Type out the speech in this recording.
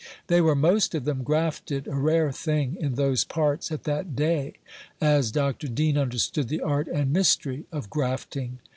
They were most of them grafted, a rare thing in those parts at that day, as Dr. Deane understood the art and mystery of grafting.